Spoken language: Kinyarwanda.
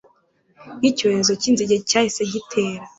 nkicyorezo cyinzige cyahise gitera